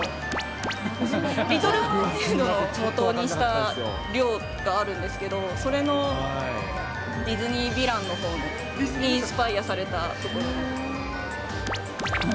リトル・マーメイドをもとにした寮があるんですけど、それのディズニーヴィランズのほうの、インスパイアされたところで。